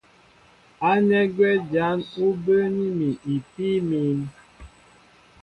Ánɛ́ gwɛ́ jǎn ú bəə́ní mi ipíí mǐm.